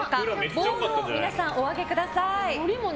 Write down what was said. ボードを皆さんお上げください。